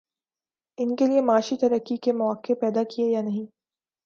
ان کے لیے معاشی ترقی کے مواقع پیدا کیے یا نہیں؟